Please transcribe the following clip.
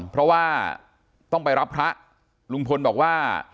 เพราะว่าต้องไปรับพระลุงพลบอกว่า